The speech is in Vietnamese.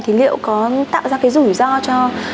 thì liệu có tạo ra cái rủi ro cho